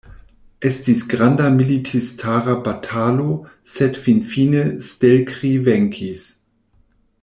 Estis granda militistara batalo, sed finfine Stelkri venkis.